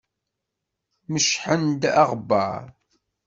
Mecḥen-d aɣebbar.